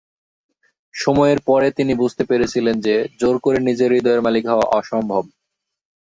সময়ের পরে তিনি বুঝতে পেরেছিলেন যে জোর করে নিজের হৃদয়ের মালিক হওয়া অসম্ভব।